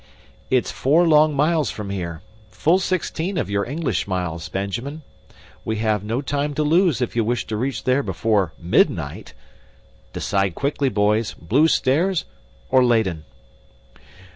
"It's four long miles from here. Full sixteen of your English miles, Benjamin. We have no time to lose if you wish to reach there before midnight. Decide quickly, boys Blue Stairs or Leyden?"